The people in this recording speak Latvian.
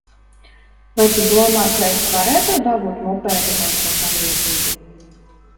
Vai tu domā, ka es varētu dabūt mopēdu vai ko tamlīdzīgu?